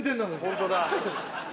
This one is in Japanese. ホントだ。